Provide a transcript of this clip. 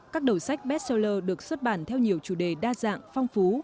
các đầu sách bestseller được xuất bản theo nhiều chủ đề đa dạng phong phú